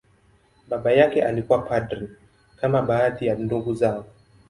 Baba yake alikuwa padri, kama baadhi ya ndugu zao.